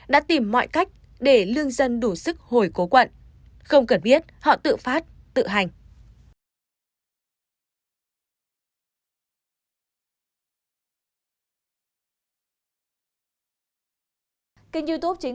đã tìm mọi cách để lương dân đủ sức hồi cố quận không cần biết họ tự phát tự hành